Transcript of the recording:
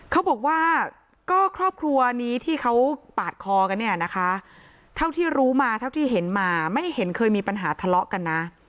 เขาบอกว่าก็ครอบครัวนี้ที่เขาปาดคอกันเนี่ยนะคะเท่าที่รู้มาเท่าที่เห็นมาไม่เห็นเคยมีปัญหาทะเลาะกันนะ